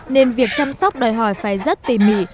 nên việc chăm sóc đòi hỏi phải rất tỉ mỉ